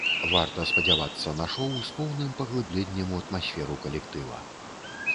Варта спадзявацца на шоў з поўным паглыбленнем у атмасферу калектыва.